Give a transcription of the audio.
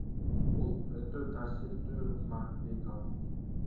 Бул өтө таасирдүү ыкма, – дейт ал.